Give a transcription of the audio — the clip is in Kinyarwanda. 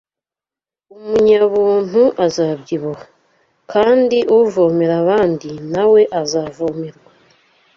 Umunyabuntu azabyibuha, kandi uvomera abandi na we azavomerwa